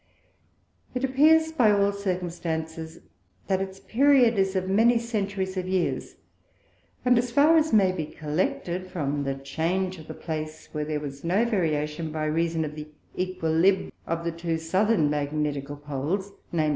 It appears by all Circumstances, that its Period is of many Centuries of Years, and as far as may be collected from the Change of the Place, where there was no Variation, by reason of the Equilibre of the two Southern Magnetical Poles, _viz.